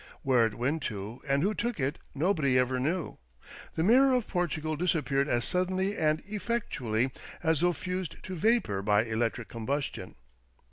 Where it went to, and who took it, nobody ever knew. The "Mirror of Portugal" disappeared as suddenly and effectually as though fused to vapour by electric combustion.